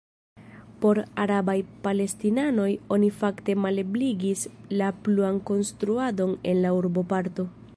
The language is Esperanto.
Por arabaj palestinanoj oni fakte malebligis la pluan konstruadon en la urboparto.